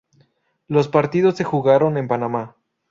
Los partidos se jugaron en Panamá.